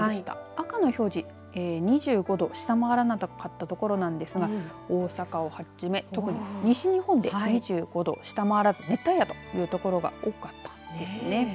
赤の表示２５度を下回らなかった所なんですが大阪をはじめ、特に西日本で２５度を下回らず熱帯夜という所が多かったんです。